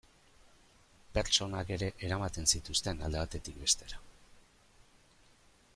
Pertsonak ere eramaten zituzten alde batetik bestera.